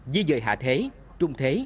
di dợi hạ thế trung thế